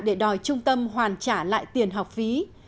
để đòi trung tâm hoàn trả lại tiền học phí